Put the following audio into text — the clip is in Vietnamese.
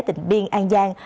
tỉnh biên an giang